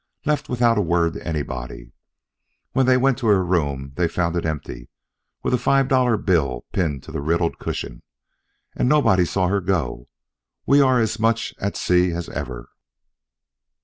"Left without a word to anybody. When they went to her room they found it empty, with a five dollar bill pinned to the riddled cushion. As nobody saw her go, we are as much at sea as ever."